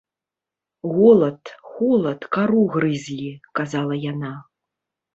Голад, холад, кару грызлі, казала яна.